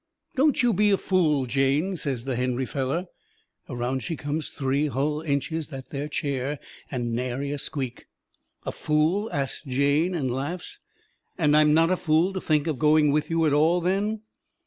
"Don't you be a fool, Jane," says the Henry feller. Around she comes three hull inches, that there chair, and nary a squeak. "A fool?" asts Jane, and laughs. "And I'm not a fool to think of going with you at all, then?"